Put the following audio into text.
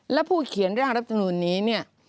และผู้เขียนร่างรัฐมนุนนี้เนี่ย